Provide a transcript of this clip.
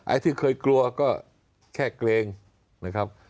ที่เคยกลัวก็แค่เกรงนะครับ